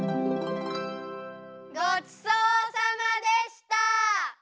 ごちそうさまでした！